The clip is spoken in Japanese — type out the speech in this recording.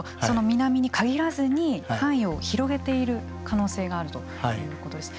南に限らずに範囲を広げている可能性があるということです。